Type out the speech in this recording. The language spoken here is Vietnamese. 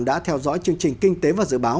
đã theo dõi chương trình kinh tế và dự báo